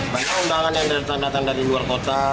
banyak undangan yang datang datang dari luar kota